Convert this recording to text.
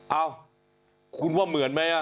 เอ้าคุณว่าเหมือนมั้ยอ่ะ